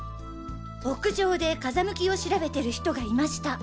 屋上で風向きを調べてる人がいました。